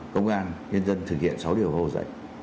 công an nhân dân thực hiện sáu điều hồ dạy